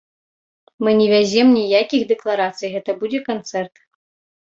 Мы не вязем ніякіх дэкарацый, гэта будзе канцэрт.